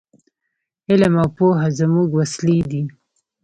علم او پوهه زموږ وسلې دي.